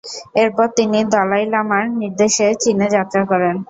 এরপর তিনি দলাই লামার নির্দেশে চীন যাত্রা করেন।